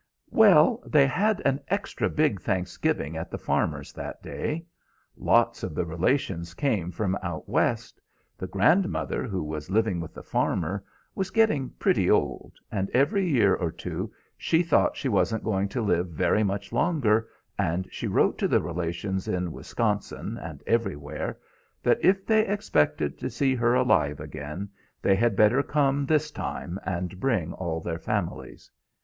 "Well, they had an extra big Thanksgiving at the farmer's that day. Lots of the relations came from out West; the grandmother, who was living with the farmer, was getting pretty old, and every year or two she thought she wasn't going to live very much longer, and she wrote to the relations in Wisconsin, and everywhere, that if they expected to see her alive again, they had better come this time, and bring all their families.